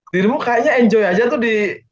dirimu kayaknya enjoy aja tuh di